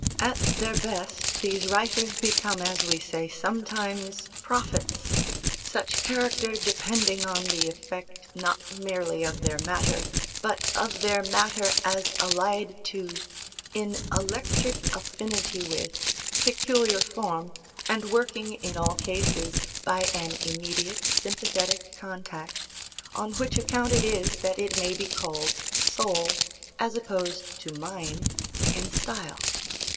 At their best, these writers become, as we say sometimes, "prophets"; such character depending on the effect not merely of their matter, but of their matter as allied to, in "electric affinity" with, peculiar form, and working in all cases by an immediate sympathetic contact, on which account it is that it may be called soul, as opposed to mind, in style.